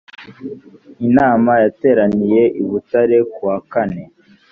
inama yateraniye i butare kuwa kane